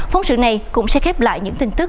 phóng sự này cũng sẽ khép lại những tin tức